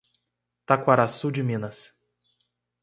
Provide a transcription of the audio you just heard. Taquaraçu de Minas